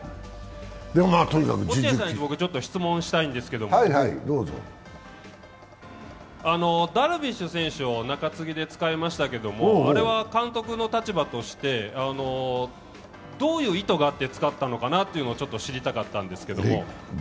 落合さんに質問したいんですけどダルビッシュ選手を中継ぎで使いましたけどあれは監督の立場としてどういう意図があって使ったのかなというのを知りたかったんですけれども。